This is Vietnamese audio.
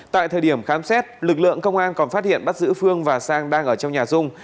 tại thời điểm khám xét lực lượng công an còn phát hiện bắt giữ phương và sang đang ở trong nhà dung